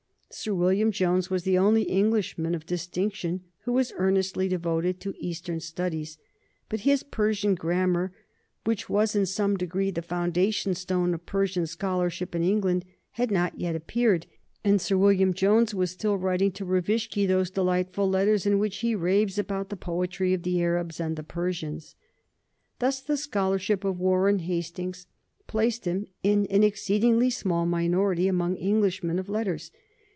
Sir William Jones was the only Englishman of distinction who was earnestly devoted to Eastern studies; but his Persian Grammar, which was in some degree the foundation stone of Persian scholarship in England, had not yet appeared, and Sir William Jones was still writing to Reviczki those delightful letters in which he raves about the poetry of the Arabs and the Persians. Thus the scholarship of Warren Hastings placed him in an exceedingly small minority among Englishmen of letters.